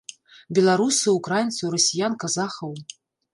Беларусаў, украінцаў, расіян, казахаў.